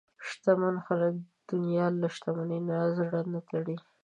شتمن خلک د دنیا له شتمنۍ نه زړه نه تړي.